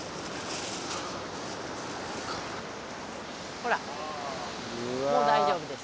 ほらもう大丈夫です。